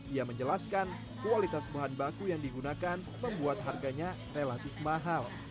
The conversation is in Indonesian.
ia menjelaskan kualitas bahan baku yang digunakan membuat harganya relatif mahal